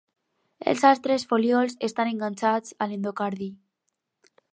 Els altres folíols estan enganxats a l'endocardi.